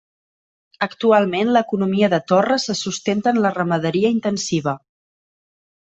Actualment l'economia de Torre se sustenta en la ramaderia intensiva.